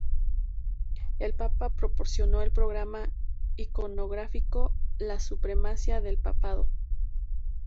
El papa proporcionó el programa iconográfico: la supremacía del papado.